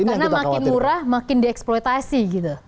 karena makin murah makin dieksploitasi gitu